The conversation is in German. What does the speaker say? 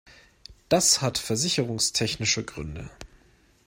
Das hat versicherungstechnische Gründe.